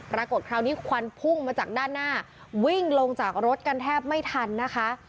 คราวนี้ควันพุ่งมาจากด้านหน้าวิ่งลงจากรถกันแทบไม่ทันนะคะ